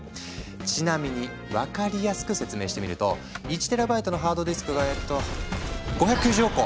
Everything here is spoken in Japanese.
ちなみに分かりやすく説明してみると１ＴＢのハードディスクがえっと５９０億個！